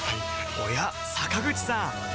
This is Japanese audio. おや坂口さん